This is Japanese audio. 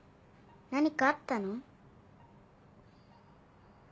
何かあったの？